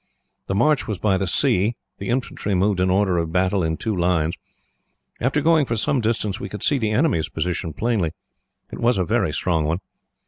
The march was by the sea. The infantry moved in order of battle, in two lines. After going for some distance, we could see the enemy's position plainly. It was a very strong one.